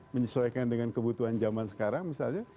menyesuaikan dengan kebutuhan zaman sekarang misalnya